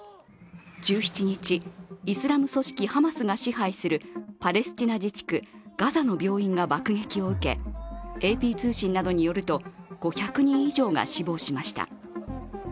１７日、イスラム組織ハマスが支配するパレスチナ自治区ガザの病院が爆撃を受け、ＡＰ通信などによると５００人以上が死亡しました。